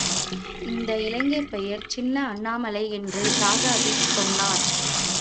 அந்த இளைஞர் பெயர் சின்ன அண்ணாமலை என்று ராஜாஜி சொன்னார்.